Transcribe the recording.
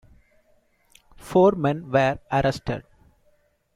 Four men were arrested.